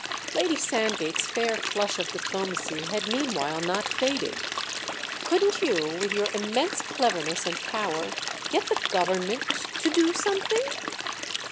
Lady Sandgate's fair flush of diplomacy had meanwhile not faded. "Couldn't you, with your immense cleverness and power, get the Government to do something?"